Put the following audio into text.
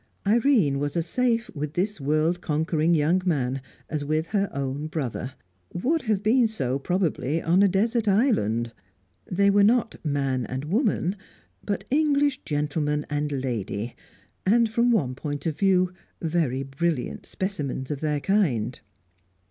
Irene was as safe with this world conquering young man as with her own brother; would have been so, probably, on a desert island. They were not man and woman, but English gentleman and lady, and, from one point of view, very brilliant specimens of their kind.